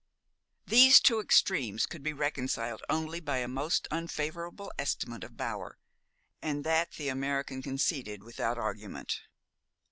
These two extremes could be reconciled only by a most unfavorable estimate of Bower, and that the American conceded without argument.